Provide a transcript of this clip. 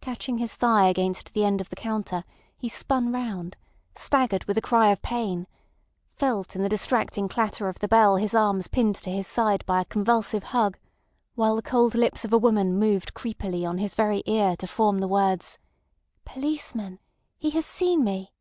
Catching his thigh against the end of the counter, he spun round, staggered with a cry of pain, felt in the distracting clatter of the bell his arms pinned to his side by a convulsive hug, while the cold lips of a woman moved creepily on his very ear to form the words: "Policeman! He has seen me!"